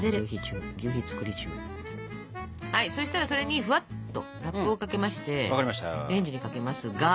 そしたらそれにふわっとラップをかけましてレンジにかけますが。